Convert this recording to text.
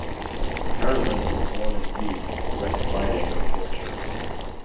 Harrison was born in Leeds, West Riding of Yorkshire.